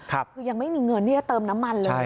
คือยังไม่มีเงินที่จะเติมน้ำมันเลย